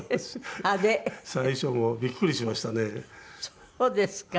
そうですか。